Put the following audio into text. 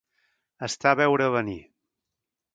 Estar a veure venir.